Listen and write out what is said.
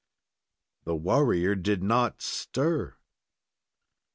The warrior did not stir!